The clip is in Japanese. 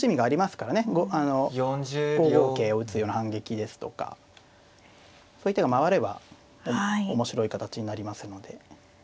５五桂を打つような反撃ですとかそういう手が回れば面白い形になりますので。